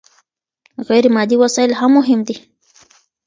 غير مادي وسايل هم مهم دي.